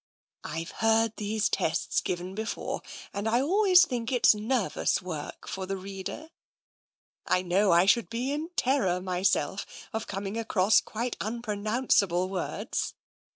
" I've heard these tests given before, and I always think it's nervous work for the reader. I know I should be in terror myself of com ing across quite unpronounceable words.